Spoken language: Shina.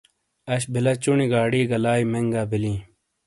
اش بِلا چُنی گاڑی گہ لائی مہنگا بیِلیں۔